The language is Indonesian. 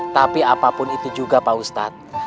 tapi apapun itu juga pak ustadz